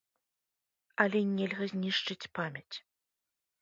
Але нельга знішчыць памяць.